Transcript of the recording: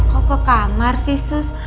kok ke kamar sih sus